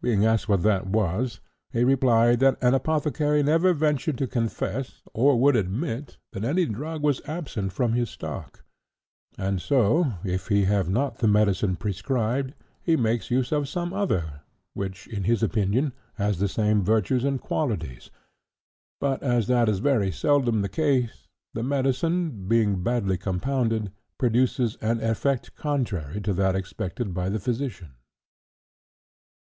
Being asked what that was, he replied that an apothecary never ventured to confess, or would admit, that any drug was absent from his stock; and so, if he have not the medicine prescribed, he makes use of some other which, in his opinion, has the same virtues and qualities; but as that is very seldom the case, the medicine, being badly compounded, produces an effect contrary to that expected by the physician.